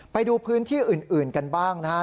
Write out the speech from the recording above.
ไปดูพื้นที่อื่นกันบ้างนะครับ